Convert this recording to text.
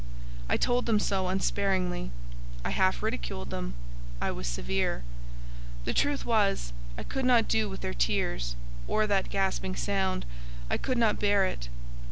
I told them so unsparingly. I half ridiculed them. I was severe. The truth was, I could not do with their tears, or that gasping sound; I could not bear it.